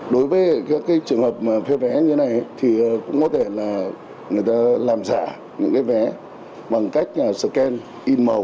đối với các trường hợp phê vé như thế này thì cũng có thể là người ta làm giả những vé bằng cách scan in màu